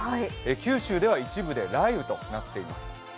九州では一部では雷雨となっています。